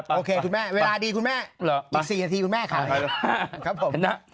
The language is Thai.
โอเคคุณแม่เวลาดีคุณแม่อีก๔นาทีคุณแม่ขายครับผมนะ